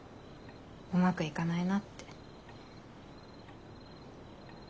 うまくいかないなって。